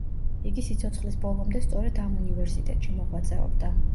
იგი სიცოცხლის ბოლომდე სწორედ ამ უნივერსიტეტში მოღვაწეობდა.